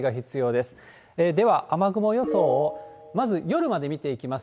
では、雨雲予想をまず、夜まで見ていきます。